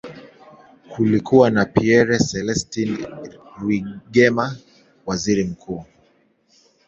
Kulikuwa na Pierre Celestin Rwigema, waziri mkuu.